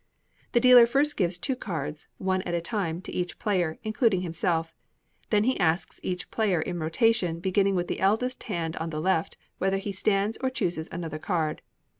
The dealer first gives two cards, one at a time, to each player, including himself; then he asks each player in rotation, beginning with the eldest hand on the left, whether he stands or chooses another card.